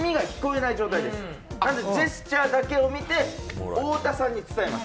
なのでジェスチャーだけを見て太田さんに伝えます。